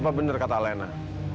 apa benar kata alena